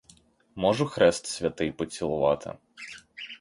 Можу хрест святий поцілувати.